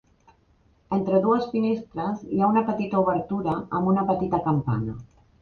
Entre dues finestres hi ha una petita obertura amb una petita campana.